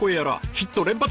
ヒット連発！